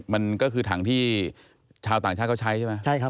มันก็คือถังที่ชาวต่างชาติเขาใช้ใช่ไหม